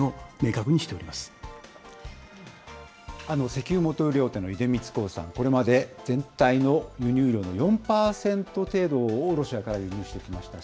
石油元売り大手の出光興産、これまで全体の輸入量の４％程度をロシアから輸入してきました。